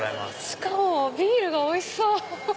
しかもビールがおいしそう！